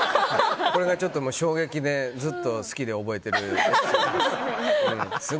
これが、ちょっと衝撃でずっと好きで覚えてます。